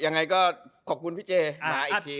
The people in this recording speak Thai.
ยังไงก็ขอบคุณพี่เจมาอีกที